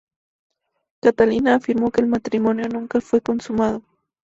Catalina afirmó que el matrimonio nunca fue consumado.